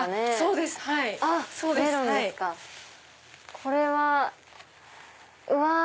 これは。うわ！